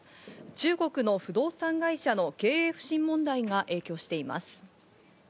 中国の不動産会社の経営不振問題が影響しています。